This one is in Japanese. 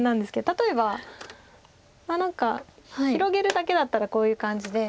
例えばまあ何か広げるだけだったらこういう感じで。